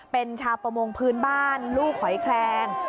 เป็นชาวประมงพื้นบ้านลูกหอยแคลง